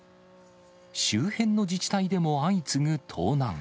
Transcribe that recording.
周辺の自治体でも相次ぐ盗難。